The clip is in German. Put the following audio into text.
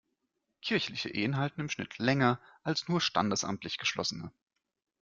Kirchliche Ehen halten im Schnitt länger als nur standesamtlich geschlossene.